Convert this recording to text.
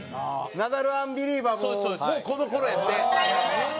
ナダル・アンビリバボーもこの頃やって。